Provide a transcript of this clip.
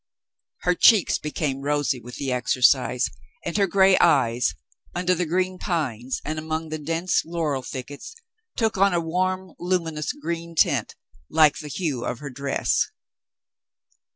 Her cheeks became rosy with the exercise, and her gray eyes, under the green pines and among the dense laurel thickets, took on a warm, luminous green tint like the hue of her dress.